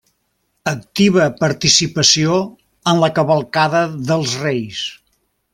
Activa participació en la Cavalcada Dels Reis.